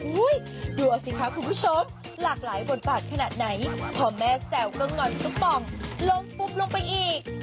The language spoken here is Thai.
กลัวสิคะคุณผู้ชมหลากหลายบทบาทขนาดไหนพอแม่แซวก็งอนซุปป่องลงปุ๊บลงไปอีก